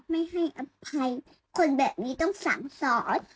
ไม่ให้อภัยคนแบบนี้ต้องสั่งสอน